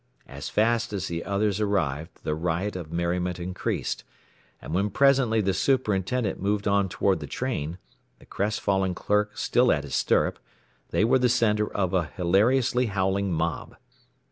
As fast as the others arrived the riot of merriment increased; and when presently the superintendent moved on toward the train, the crestfallen clerk still at his stirrup, they were the center of a hilariously howling mob.